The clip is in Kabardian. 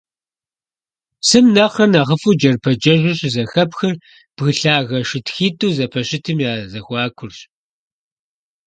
Псым нэхърэ нэхъыфIу джэрпэджэжыр щызэхэпхыр бгы лъагэ шытхитIу зэпэщытым я зэхуакурщ.